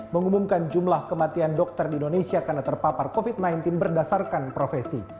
mengumumkan jumlah kematian dokter di indonesia karena terpapar covid sembilan belas berdasarkan profesi